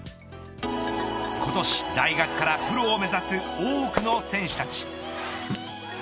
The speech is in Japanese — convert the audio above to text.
今年、大学からプロを目指す多くの選手たち。